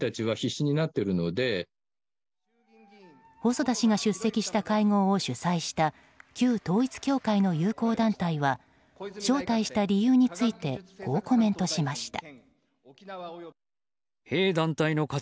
細田氏が出席した会合を主催した旧統一教会の友好団体は招待した理由についてこうコメントしました。